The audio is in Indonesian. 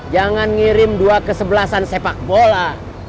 jangan ngirim dua kesebelasan sepak bola